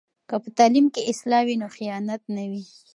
که په تعلیم کې اصلاح وي نو خیانت نه وي.